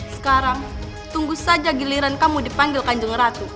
sekarang tunggu saja giliran kamu dipanggil kanjeng ratu